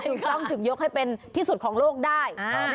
ถูกต้องถึงยกให้เป็นที่สุดของโลกได้